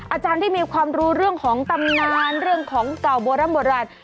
อาจารย์ที่มีความรู้เรื่องของตำนานเรื่องของเก่าโบร่ำโบราณ